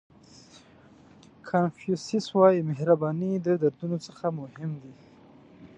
کانفیوسیس وایي مهرباني د دردونو څخه مهم دی.